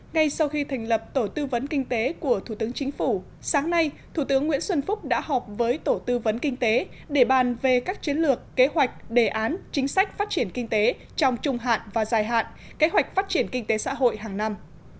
ngay sau khi thành lập tổ tư vấn kinh tế của thủ tướng chính phủ sáng nay thủ tướng nguyễn xuân phúc đã họp với tổ tư vấn kinh tế để bàn về các chiến lược kế hoạch đề án chính sách phát triển kinh tế trong trung hạn và dài hạn kế hoạch phát triển kinh tế xã hội hàng năm